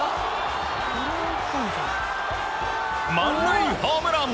満塁ホームラン。